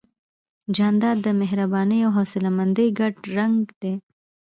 جانداد د مهربانۍ او حوصلهمندۍ ګډ رنګ دی.